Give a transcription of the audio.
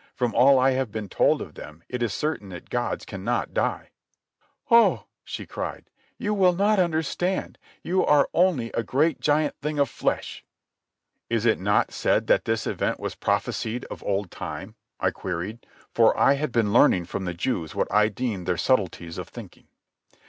From all I have been told of them, it is certain that gods cannot die." "Oh!" she cried. "You will not understand. You are only a great giant thing of flesh." "Is it not said that this event was prophesied of old time?" I queried, for I had been learning from the Jews what I deemed their subtleties of thinking.